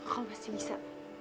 kok masih bisa